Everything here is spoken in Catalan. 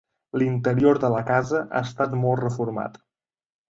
L'interior de la casa ha estat molt reformat.